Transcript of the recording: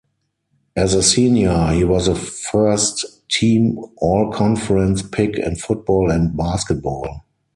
As a senior, he was a first team All-Conference pick in football and basketball.